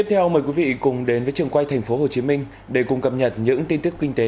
hãy cùng đến với trường quay tp hcm để cùng cập nhật những tin tức kinh tế